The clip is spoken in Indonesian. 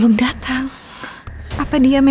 kamu dimana sih mas